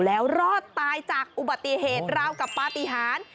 แล้วรอดตายจากอุบัติเหตุราวกับปฏิหาร